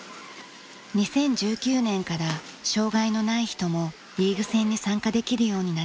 ２０１９年から障害のない人もリーグ戦に参加できるようになりました。